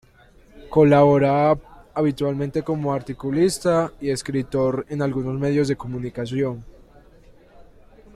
Colabora habitualmente como articulista y escritor en algunos medios de comunicación.